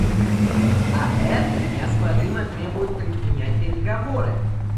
А это неоспоримо требует предпринять переговоры.